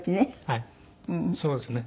はいそうですね。